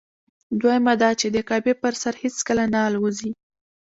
دویمه دا چې د کعبې پر سر هېڅکله نه الوزي.